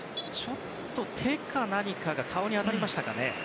手か何かが顔に当たりましたかね。